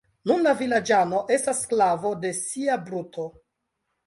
Nun la vilaĝano estas sklavo de sia bruto.